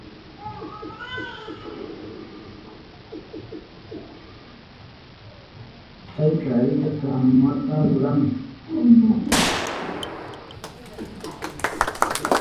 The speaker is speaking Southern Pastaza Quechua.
Chay karika kanuwata rurahun.